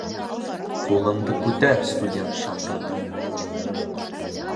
— Ҡулыңды күтәр, студент Шамратов